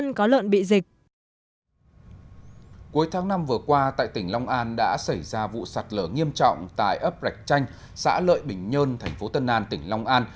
trong năm vừa qua tại tỉnh long an đã xảy ra vụ sạt lở nghiêm trọng tại ấp rạch chanh xã lợi bình nhơn thành phố tân an tỉnh long an